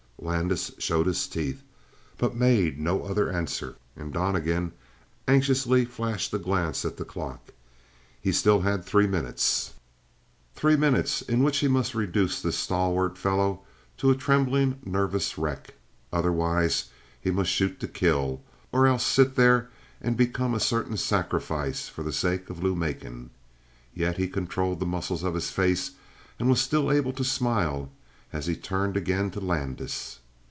Landis showed his teeth, but made no other answer. And Donnegan anxiously flashed a glance at the clock. He still had three minutes. Three minutes in which he must reduce this stalwart fellow to a trembling, nervous wreck. Otherwise, he must shoot to kill, or else sit there and become a certain sacrifice for the sake of Lou Macon. Yet he controlled the muscles of his face and was still able to smile as he turned again to Landis.